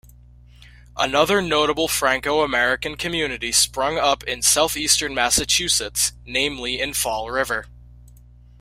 Another notable Franco-American community sprung up in southeastern Massachusetts, namely in Fall River.